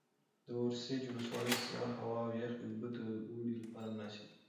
د ورسج ولسوالۍ سړه هوا او یخې اوبه د اوړي لپاره مناسبې دي.